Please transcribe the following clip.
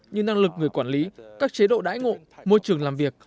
như năng lực người quản lý các chế độ đãi ngộ môi trường làm việc